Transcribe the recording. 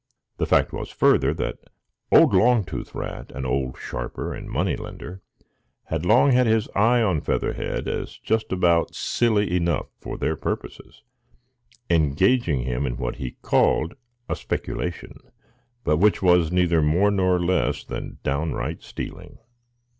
The fact was, further, that old Longtooth Rat, an old sharper and money lender, had long had his eye on Featherhead as just about silly enough for their purposes,—engaging him in what he called a speculation, but which was neither more nor less than downright stealing.